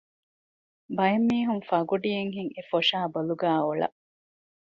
ބައެއް މީހުން ފަގުޑިއެއްހެން އެފޮށާ ބޮލުގައި އޮޅަ